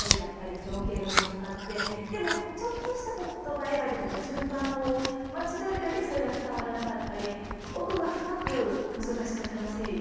でもちょっとした言葉選びとか順番を間違えるだけでそれが伝わらなかったり奥が深く難しく楽しいものだなと感じてます。